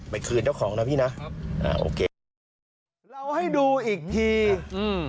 ไปคืนเจ้าของนะพี่นะครับอ่าโอเคเราให้ดูอีกทีอืม